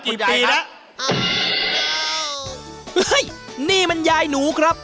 เฮ้ยนี่มันยายหนูครับ